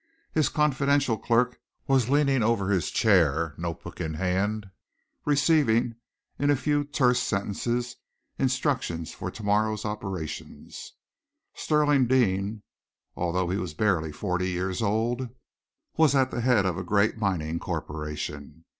His confidential clerk was leaning over his chair, notebook in hand, receiving in a few terse sentences instructions for the morrow's operations. Stirling Deane, although he was barely forty years old, was at the head of a great mining corporation.